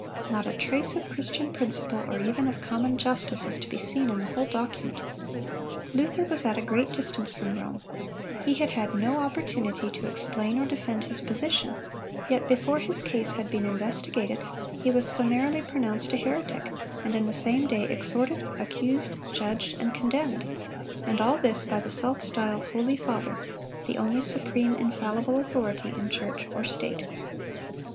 Not a trace of Christian principle, or even of common justice, is to be seen in the whole document. Luther was at a great distance from Rome; he had had no opportunity to explain or defend his position; yet before his case had been investigated, he was summarily pronounced a heretic, and in the same day, exhorted, accused, judged, and condemned; and all this by the self styled holy father, the only supreme, infallible authority in church or state!